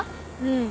うん。